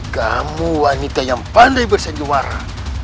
kamu wanita yang pandai bersenyumara